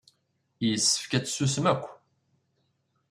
Yessefk ad tsusmem akk.